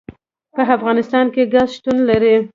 په افغانستان کې ګاز شتون لري.